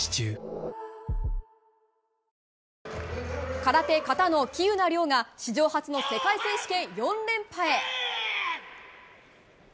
空手の形、喜友名諒が史上初の世界選手権４連覇へ。